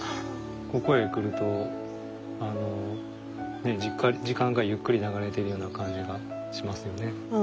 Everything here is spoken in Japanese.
ここへ来ると時間がゆっくり流れてるような感じがしますよね。